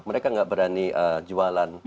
mereka nggak berani jualan